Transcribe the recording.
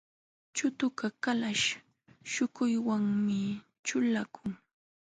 Chutukaq kalaśh śhukuywanmi ćhulakun.